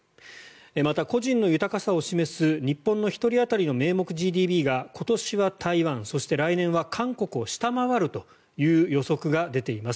また、個人の豊かさを示す日本の１人当たりの名目ＧＤＰが今年は台湾、そして来年は韓国を下回るという予測が出ています。